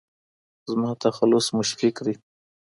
زما تخلص مشفق دی